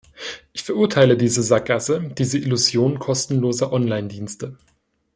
Ich verurteile diese Sackgasse, diese Illusion kostenloser Online-Dienste.